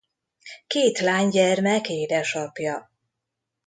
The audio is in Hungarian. Két lánygyermek édesapja.